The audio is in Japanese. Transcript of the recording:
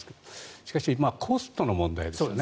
しかし、コストの問題ですね。